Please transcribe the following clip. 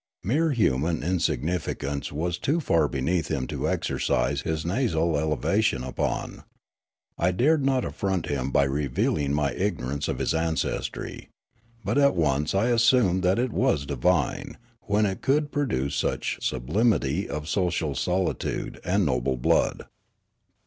Mere human insignificance was too far beneath him to exercise his nasal elevation upon. I dared not affront him by revealing my ignor ance of his ancestry. But I at once assumed that it was divine, when it could produce such sublimity of social solitude and noble blood.